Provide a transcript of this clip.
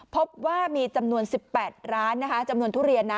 พบว่ามีจำนวน๑๘ร้านนะคะจำนวนทุเรียนนะ